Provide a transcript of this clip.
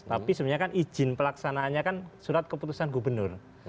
tapi sebenarnya kan izin pelaksanaannya kan surat keputusan gubernur